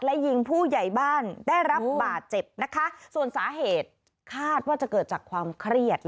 และยิงผู้ใหญ่บ้านได้รับบาดเจ็บนะคะส่วนสาเหตุคาดว่าจะเกิดจากความเครียด